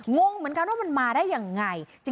งงเหมือนกันว่ามันมาได้ยังไง